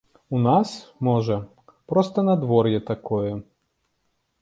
У нас, можа, проста надвор'е такое.